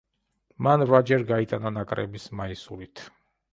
მან რვაჯერ გაიტანა ნაკრების მაისურით.